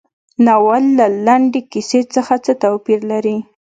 ناول له لنډې کیسې څخه څه توپیر لري.